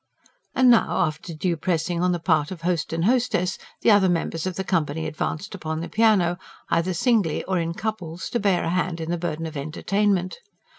And now, after due pressing on the part of host and hostess, the other members of the company advanced upon the piano, either singly or in couples, to bear a hand in the burden of entertainment.